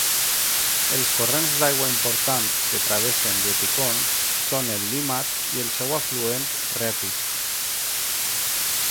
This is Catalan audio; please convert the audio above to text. Els corrents d'aigua importants que travessen Dietikon són el Limmat i el seu afluent Reppisch.